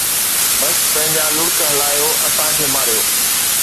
بس پنهنجا لڙڪ هلايو، اسان کي ماريو